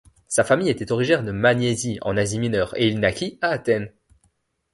Sa famille était originaire de Magnésie en Asie mineure et il naquit à Athènes.